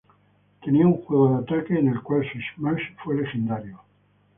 Tenía un juego de ataque en el cual su smash fue legendario.